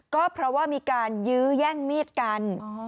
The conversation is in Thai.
ก็เพราะว่ามีการยื้อแย่งมีดกัน